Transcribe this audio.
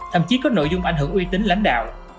thậm chí có nội dung ảnh hưởng uy tín lãnh đạo